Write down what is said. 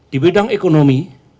di bidang ekonomi